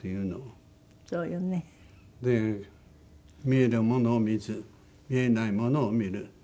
「見えるものを見ず見えないものを見る」